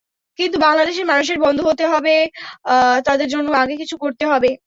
কিন্তু বাংলাদেশের মানুষের বন্ধু হতে হবে, তাদের জন্য আগে কিছু করতে হবে।